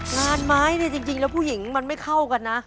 งานไม้เนี่ยจริงแล้วผู้หญิงมันไม่เข้ากันนะ